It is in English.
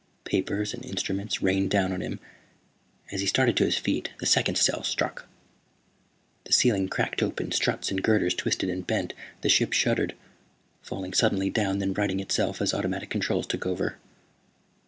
Papers and instruments rained down on him. As he started to his feet the second shell struck. The ceiling cracked open, struts and girders twisted and bent. The ship shuddered, falling suddenly down, then righting itself as automatic controls took over.